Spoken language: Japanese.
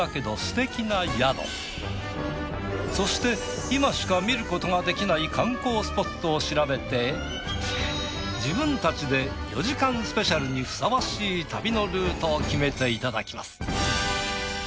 そして今しか見ることができない観光スポットを調べて自分たちで４時間スペシャルにふさわしい旅のルートを決めていただきます。